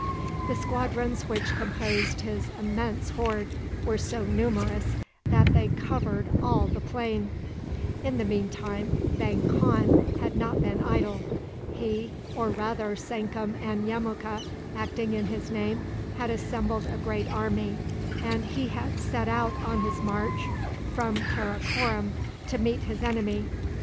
The squadrons which composed his immense horde were so numerous that they covered all the plain. In the mean time Vang Khan had not been idle. He, or rather Sankum and Yemuka, acting in his name, had assembled a great army, and he had set out on his march from Karakorom to meet his enemy.